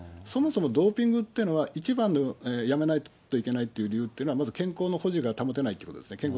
そもそもドーピングっていうのは、一番のやめないといけない理由っていうのは、まず健康の保持が保てないということですね。